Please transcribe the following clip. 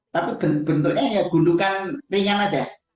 tapi bentuknya ya gundukan ringan saja